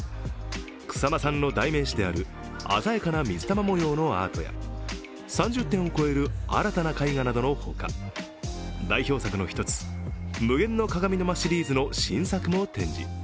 草間さんの代名詞である鮮やかな水玉模様のアートや３０点を超える新たな絵画などのほか代表作の一つ、「無限の鏡の間」シリーズの新作も展示。